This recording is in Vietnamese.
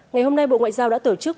ngày hôm nay bộ ngoại giao đã tổ chức